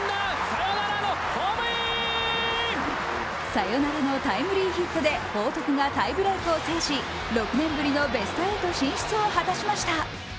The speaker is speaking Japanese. サヨナラのタイムリーヒットで報徳がタイブレークを制し６年ぶりのベスト８進出を果たしました。